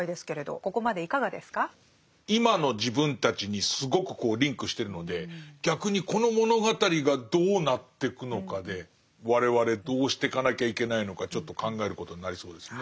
今の自分たちにすごくこうリンクしてるので逆にこの物語がどうなってくのかで我々どうしてかなきゃいけないのかちょっと考えることになりそうですね。